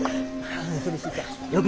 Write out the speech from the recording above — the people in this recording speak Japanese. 苦しいか。